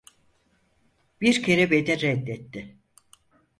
Bir kere beni reddetti.